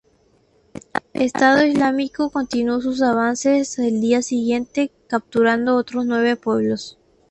Estado Islámico continuó sus avances el día siguiente, capturando otros nueve pueblos.